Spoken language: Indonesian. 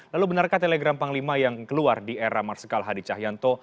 lalu benarkah telegram panglima yang keluar di era marsikal hadi cahyanto